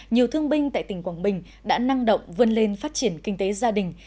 nhiều thương binh tại tỉnh quảng bình đã năng động vươn lên phát triển kinh tế gia đình